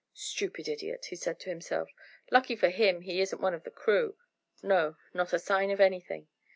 "Stupid idiot!" he said to himself. "Lucky for him he isn't one of the crew. No, not a sign of anything."